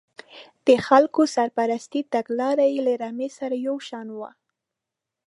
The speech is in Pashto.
د خلکو سرپرستۍ تګلاره یې له رمې سره یو شان وه.